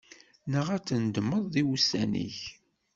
Neɣ ad tendemmeḍ i wussan-ik.